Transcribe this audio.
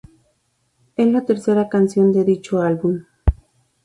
Es la tercera canción de dicho álbum.